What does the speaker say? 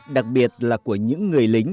đặc biệt là của những người lính